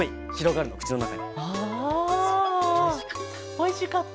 おいしかった。